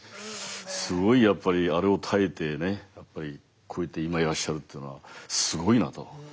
すごいやっぱりあれを耐えてねこうやって今いらっしゃるっていうのはすごいなと。